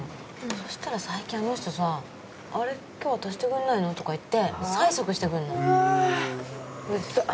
そしたら最近あの人さ「あれ今日は足してくれないの？」とか言って催促して来んの。うわウザっ。